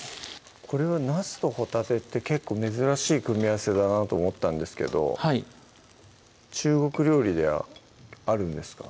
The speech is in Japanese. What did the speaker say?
これはなすとほたてって結構珍しい組み合わせだなと思ったんですけど中国料理ではあるんですか？